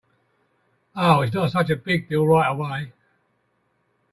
Oh, it’s not such a big deal right away.